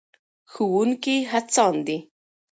ښوونکي هڅاند دي.